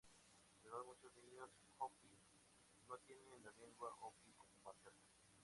Además muchos niños Hopi no tienen la lengua Hopi como materna.